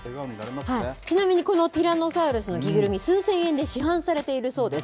ちなみにこのティラノサウルスの着ぐるみ、数千円で市販されているそうです。